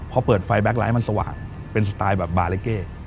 พอเปิดไฟแบ็คไลท์มันสว่างเป็นสไตล์แบบบาเลเก้